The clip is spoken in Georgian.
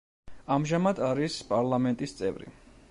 ამჟამად არის პარლამენტის წევრი.